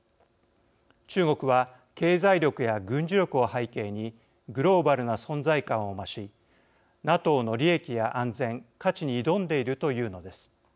中国は経済力や軍事力を背景にグローバルな存在感を増しＮＡＴＯの利益や安全価値に挑んでいるというのです。